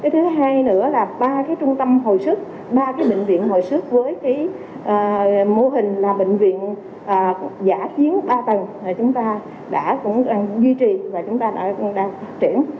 thứ hai nữa là ba trung tâm hồi sức ba bệnh viện hồi sức với mô hình là bệnh viện giải chiến ba tầng chúng ta đã duy trì và chúng ta đang phát triển